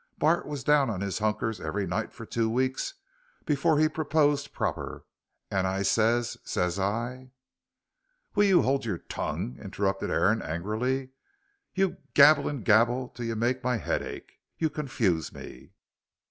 Bart was down on his hunkers every night for two weeks before he proposed proper, and I ses, ses I " "Will you hold your tongue?" interrupted Aaron, angrily; "you gabble gabble till you make my head ache. You confuse me."